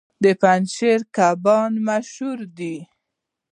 د پنجشیر کبان مشهور دي